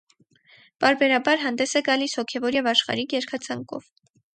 Պարբերաբար հանդես է գալիս հոգևոր և աշխարհիկ երգացանկով։